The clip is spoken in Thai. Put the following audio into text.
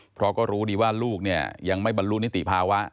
เพราะก็รู้ดีว่าลูกเนี่ยยังไม่บรรลุนิติภาวะ